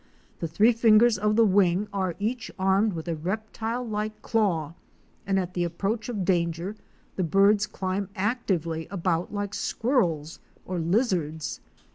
The three fingers of the wing are THE LAND OF A SINGLE TREE. 29 each armed with a reptile like claw, and at the approach of danger the birds climb actively about like squirrels or lizards.